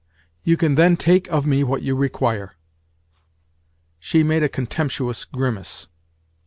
You can then take of me what you require." She made a contemptuous grimace.